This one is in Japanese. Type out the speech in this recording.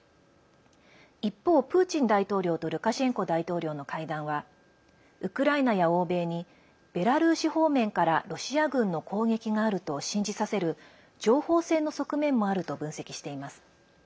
一方、プーチン大統領とルカシェンコ大統領の会談はウクライナや欧米にベラルーシ方面からロシア軍の攻撃があると信じさせる情報戦の側面もあると分析しています。